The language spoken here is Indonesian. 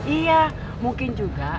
iya mungkin juga